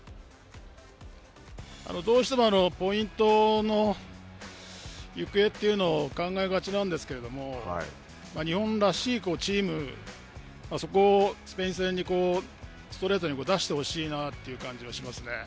どうしてもポイントの行方というのを考え勝ちなんですけれども日本らしいチーム、そこをスペイン戦にストレートに出してほしいなという感じはしますね。